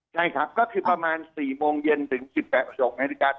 ใช่ครับก็คือประมาณ๔โมงเย็นถึง๑๘๖นาฬิกา